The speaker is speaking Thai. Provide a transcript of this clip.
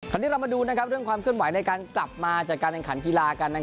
วันนี้เรามาดูเรื่องความเคลื่อนไหวในการกลับมาจัดการแข่งขันกีฬากัน